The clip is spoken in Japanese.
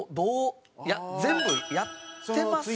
全部やってます？